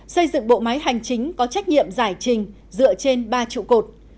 xây dựng bộ máy hành chính có trách nhiệm giải trình dựa trên ba trụ cột